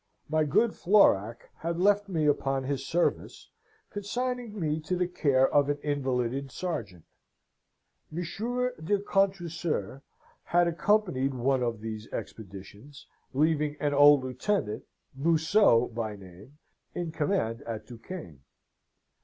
My good Florac had left me upon his service, consigning me to the care of an invalided sergeant. Monsieur de Contrecoeur had accompanied one of these expeditions, leaving an old lieutenant, Museau by name, in command at Duquesne.